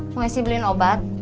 mau gak sih beliin obat